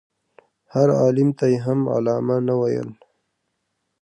هر عالم ته یې هم علامه نه ویل.